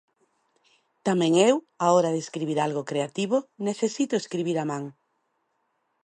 Tamén eu á hora de escribir algo creativo necesito escribir a man.